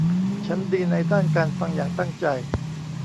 ฉันดีในด้านการฟังอย่างตั้งใจ